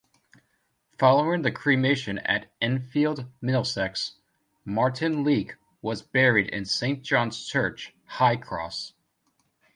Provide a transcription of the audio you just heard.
Following cremation at Enfield, Middlesex, Martin-Leake was buried in Saint John's Church, High Cross.